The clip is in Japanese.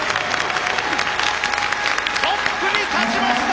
トップに立ちました